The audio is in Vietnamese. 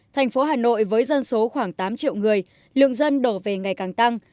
thành phố hà nội với dân số khoảng tám triệu người lượng dân đổ về ngày càng tăng